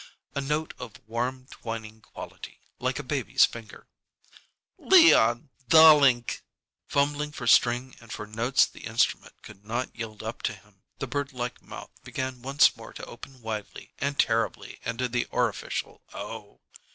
A note of warm twining quality, like a baby's finger. "Leon darlink!" Fumbling for string and for notes the instrument could not yield up to him, the birdlike mouth began once more to open widely and terribly into the orificial O.